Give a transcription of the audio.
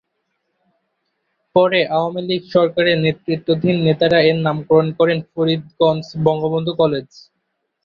পরে আওয়ামী লীগ সরকারের নেতৃস্থানীয় নেতারা এর নামকরণ করেন, ফরিদগঞ্জ বঙ্গবন্ধু কলেজ।